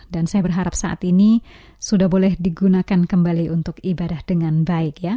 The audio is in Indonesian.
dan saya berharap saat ini sudah boleh digunakan kembali untuk ibadah dengan baik ya